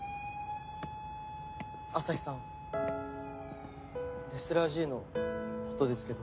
旭さんレスラーＧのことですけど。